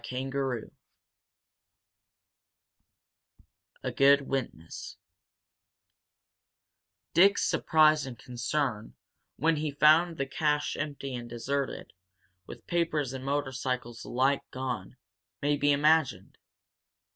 CHAPTER X A GOOD WITNESS Dick's surprise and concern when he found the cache empty and deserted, with papers and motorcycles alike gone, may be imagined.